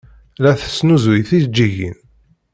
La tesnuzuy tijeǧǧigin.